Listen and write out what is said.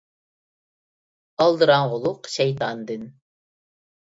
ئالدىراڭغۇلۇق شەيتاندىن.